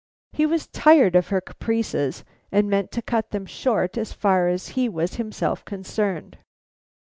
He was tired of her caprices and meant to cut them short as far as he was himself concerned.